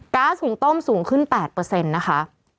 ๊าซหุงต้มสูงขึ้น๘นะคะ